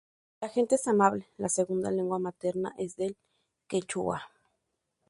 La gente es amable, la segunda lengua materna es el Quechua.